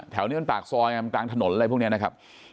แถวนี้มันปากซอยกลางถนนอะไรพวกนี้นะครับ